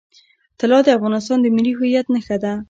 طلا د افغانستان د ملي هویت نښه ده.